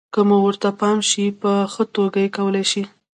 که مو ورته پام شي، په ښه توګه یې کولای شئ.